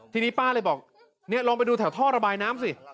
ทีนี้ป้าเลยบอกเนี่ยลองไปดูแถวท่อระบายน้ำสิ